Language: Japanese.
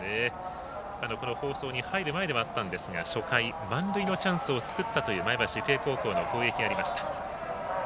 この放送に入る前ではあったんですが初回、満塁のチャンスを作ったという前橋育英高校の攻撃がありました。